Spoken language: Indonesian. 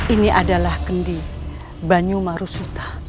ini adalah kendi banyu marusuta